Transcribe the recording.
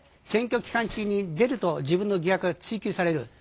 選挙期間中に出ると自分の疑惑が追及される。